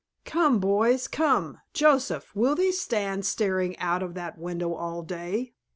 "Come, boys—come, Joseph, will thee stand staring out of that window all day?"